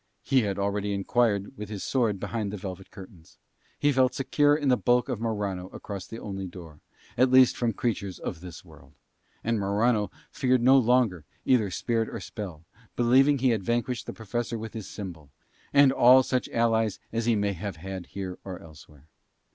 He had already enquired with his sword behind the velvet curtains. He felt secure in the bulk of Morano across the only door, at least from creatures of this world: and Morano feared no longer either spirit or spell, believing that he had vanquished the Professor with his symbol, and all such allies as he may have had here or elsewhere.